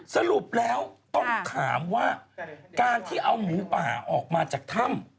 สรุปแล้วต้องถามว่าการที่เอาหมูป่าออกมาจากถ้ำ